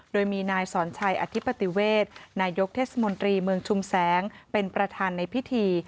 โดยมีนายสอนชัยอธิปติเวทนายกเทศมนตรีเมืองชุมแสงเป็นประธานในพิธี